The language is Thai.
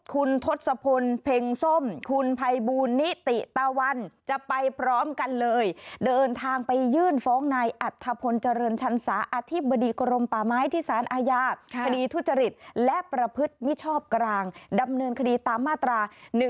คุณทศพลเพ็งส้มคุณภัยบูลนิติตะวันจะไปพร้อมกันเลยเดินทางไปยื่นฟ้องนายอัธพลเจริญชันสาอธิบดีกรมป่าไม้ที่สารอาญาคดีทุจริตและประพฤติมิชชอบกลางดำเนินคดีตามมาตรา๑๑